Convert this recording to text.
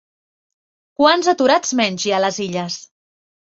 Quants aturats menys hi ha a les Illes?